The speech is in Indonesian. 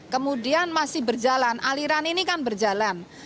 kemudian masih berjalan aliran ini kan berjalan